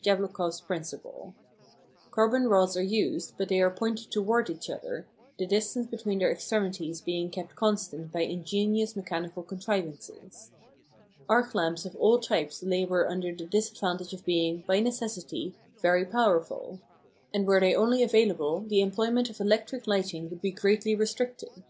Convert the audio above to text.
Jablochkoff's principle. Carbon rods are used, but they are pointed towards each other, the distance between their extremities being kept constant by ingenious mechanical contrivances. Arc lamps of all types labour under the disadvantage of being, by necessity, very powerful; and were they only available the employment of electric lighting would be greatly restricted.